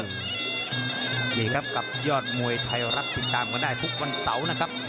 นี่ครับกับยอดมวยไทยรัฐติดตามกันได้ทุกวันเสาร์นะครับ